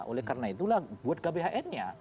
oleh karena itulah buat kbhn nya